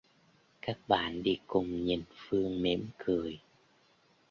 Các bạn đi cùng nhìn Phương mỉm cười